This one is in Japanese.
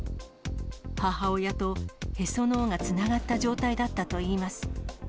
母親とへその緒がつながった状態だったといいます。